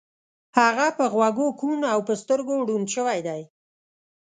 هغه په غوږو کوڼ او په سترګو ړوند شوی دی